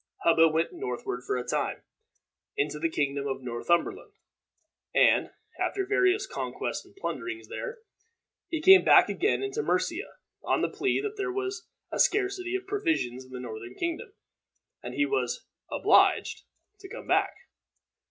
Hubba went northward for a time, into the kingdom of Northumberland, and, after various conquests and plunderings there, he came back again into Mercia, on the plea that there was a scarcity of provisions in the northern kingdom, and he was obliged to come back.